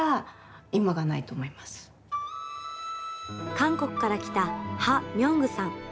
韓国から来たハ・ミョングさん。